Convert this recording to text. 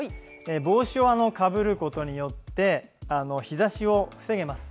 帽子をかぶることによって日ざしを防げます。